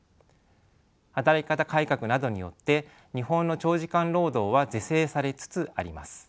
働き方改革などによって日本の長時間労働は是正されつつあります。